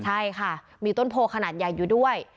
ใช่ค่ะมีต้นโพขนาดใหญ่อยู่ด้วย